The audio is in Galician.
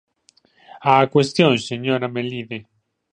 Á cuestión, señora Melide.